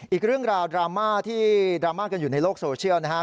อีกเรื่องราวดราม่าที่ดราม่ากันอยู่ในโลกโซเชียลนะครับ